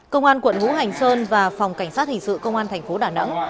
công an quận ngũ hành sơn và phòng cảnh sát hình sự công an tp đà nẵng